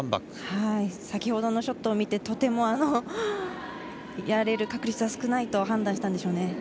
先ほどのショットを見てとてもやられる確率は少ないと判断したんでしょうね。